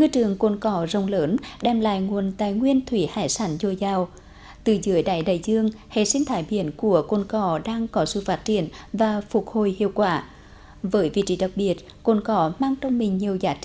thưa quý vị và các bạn cồn cỏ đảm giá là một trong những đảo có hề sinh thải ràng san hô và đa dạng sinh học cao nhất trong cả nước